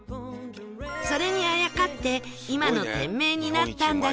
それにあやかって今の店名になったんだそう